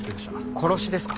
殺しですか？